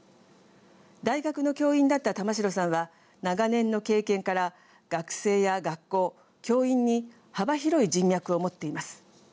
大学の教員だった玉城さんは長年の経験から学生や学校教員に幅広い人脈を持っています。